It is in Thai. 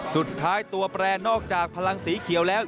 สุดท้ายตัวแปรนอกจากพลังสีเขียวแล้ว